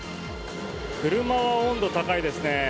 車は温度、高いですね。